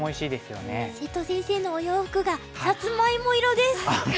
瀬戸先生のお洋服がサツマイモ色です！